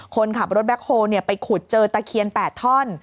คนขับรถแบ็คโฮลไปขุดเจอตะเคียน๘ท่อน